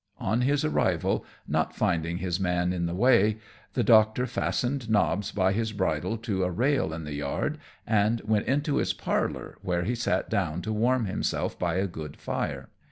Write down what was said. On his arrival, not finding his man in the way, the Doctor fastened Nobbs by his bridle to a rail in the yard, and went into his parlour, where he sat down to warm himself by a good fire.